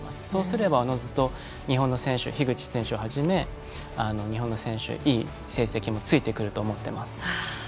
そうすれば、おのずと樋口選手をはじめ日本の選手はいい成績もついてくると思っています。